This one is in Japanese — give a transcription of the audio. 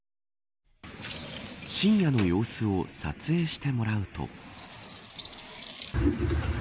深夜の様子を撮影してもらうと。